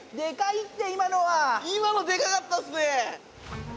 今のでかかったっすね。